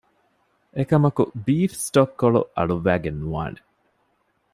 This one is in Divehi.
އެކަމަކު ބީފް ސްޓޮކް ކޮޅު އަޅުއްވައިގެން ނުވާނެ